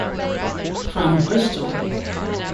from Bristol.